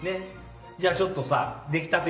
じゃあちょっとさ出来たて